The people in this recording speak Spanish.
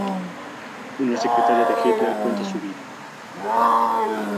Una secretaria de Hitler cuenta su vida".